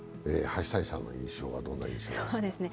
橋谷さんの印象はどんな印象ですか？